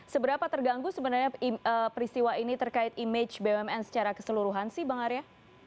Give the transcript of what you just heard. seberapa terganggu sebenarnya peristiwa ini terkait image bumn secara keseluruhan sih bang arya